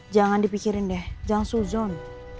jangan dipikirin deh jangan suzon